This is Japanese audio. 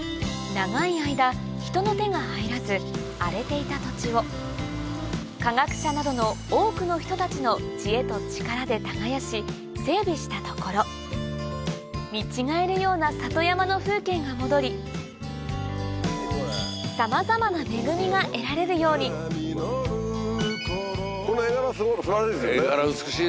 長い間人の手が入らず荒れていた土地を科学者などの多くの人たちの知恵と力で耕し整備したところ見違えるような里山の風景が戻りさまざまな恵みが得られるようにこの絵柄素晴らしい。